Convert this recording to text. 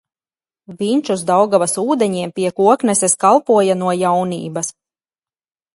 Viņš uz Daugavas ūdeņiem pie Kokneses kalpoja no jaunības.